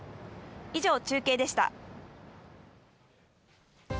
以上、中継でした。